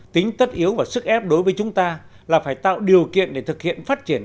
tính tất yếu và sức ép đối với chúng ta là phải tạo điều kiện để thực hiện phát triển